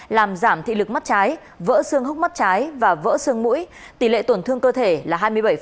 làm giảm thị lực mắt trái vỡ xương húc mắt trái và vỡ xương mũi tỷ lệ tổn thương cơ thể là hai mươi bảy